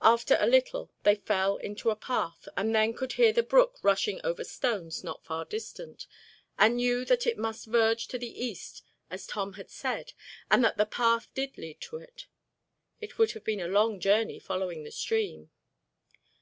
After a little they fell into a path and then could hear the brook rushing over stones not far distant, and knew that it must verge to the east as Tom had said and that the path did lead to it. It would have been a long journey following the stream.